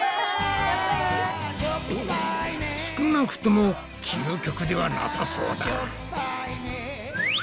少なくとも究極ではなさそうだ。